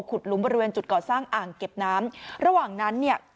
หลุมบริเวณจุดก่อสร้างอ่างเก็บน้ำระหว่างนั้นเนี่ย